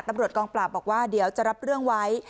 ตำรวจกองปราบบอกว่าเดี๋ยวจะรับเรื่องไว้